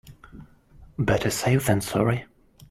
Better safe than sorry.